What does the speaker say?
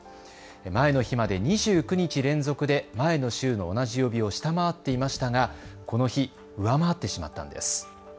前の日まで２９日連続で前の週の同じ曜日を下回っていましたがこの日、上回ってしまったんです。